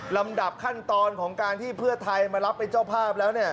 ลำดับขั้นตอนของการที่เพื่อไทยมารับเป็นเจ้าภาพแล้ว